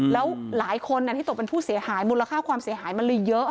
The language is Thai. แล้วหลายคนที่ตกเป็นผู้เสียหายมูลค่าความเสียหายมันเลยเยอะ